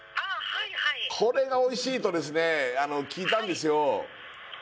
これがおいしいとですね聞いたんですよ